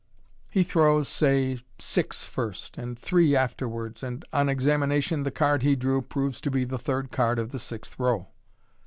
He throws, say, "six " first, and " three " afterwards, and on examination the card he drew proves to be the third card of the sixth row.